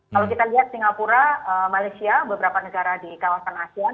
kalau kita lihat singapura malaysia beberapa negara di kawasan asean